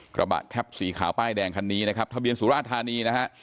กระบะแคปสีขาวป้ายแดงคันนี้นะครับทะเบียนสุราธานีนะฮะ